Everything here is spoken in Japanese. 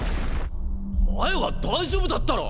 前は大丈夫だったろ！